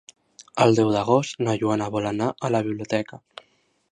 El deu d'agost na Joana vol anar a la biblioteca.